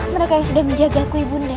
mereka yang sudah menjaga aku ibu nia